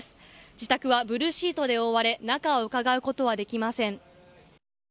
自宅はブルーシートで覆われ中をうかがうことはできません。